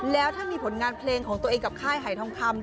แล้วถ้ามีผลงานเพลงของตัวเองกับค่ายหายทองคำ